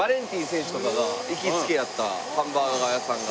選手とかが行きつけやったハンバーガー屋さんが。